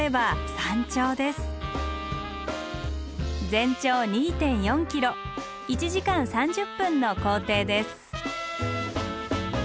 全長２．４ｋｍ１時間３０分の行程です。